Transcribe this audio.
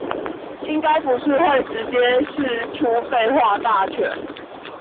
應該不是會直接釋出廢話大全